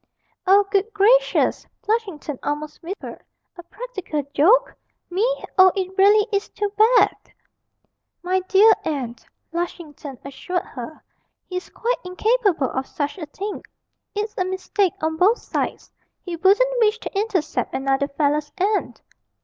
'Oh, good gracious!' Flushington almost whimpered; 'a practical joke! me, oh, it really is too bad!' 'My dear aunt,' Lushington assured her, 'he's quite incapable of such a thing; it's a mistake on both sides; he wouldn't wish to intercept another fellow's aunt.'